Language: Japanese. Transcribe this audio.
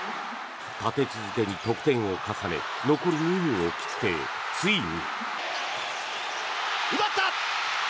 立て続けに得点を重ね残り２分を切って、ついに。